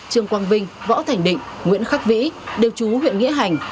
trương quang vinh võ thành định nguyễn khắc vĩ đều chú huyện nghĩa hành